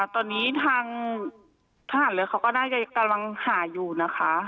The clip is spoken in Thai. ตอนนี้ทางทหารเรือเขาก็น่าจะกำลังหาอยู่นะคะ